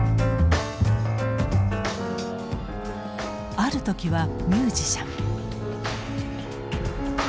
ある時はミュージシャン。